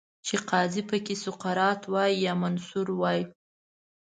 چې قاضي پکې سقراط وای، یا منصور وای